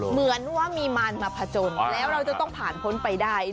เหมือนว่ามีมารมาผจญแล้วเราจะต้องผ่านพ้นไปได้